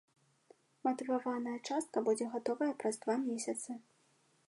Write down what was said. Матываваная частка будзе гатовая праз два месяцы.